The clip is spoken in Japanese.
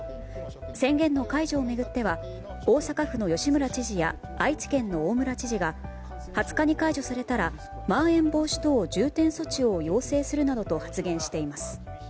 宣言の解除を巡っては大阪府の吉村知事や愛知県の大村知事が２０日に解除されたらまん延防止等重点措置を要請するなどと発言しています。